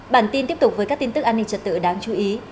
bản tin tiếp tục với các tin tức an ninh trật tự đáng chú ý